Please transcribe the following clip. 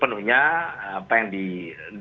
mereka bisa melakukan apa yang mereka inginkan